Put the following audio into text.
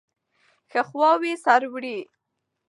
ښه خواوې سړوئ.